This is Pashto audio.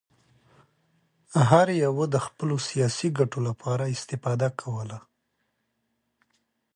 هر یوه د خپلو سیاسي ګټو لپاره استفاده کوله.